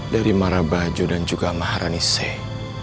dari marabajo dan juga maharani seh